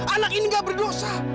anak ini gak berdosa